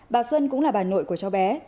bà xuân cũng là bà nội của cháu bé